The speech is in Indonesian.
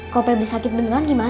kalau pagi sakit beneran gimana